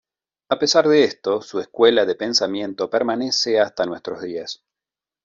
A pesar de esto, su escuela de pensamiento permanece hasta nuestros días.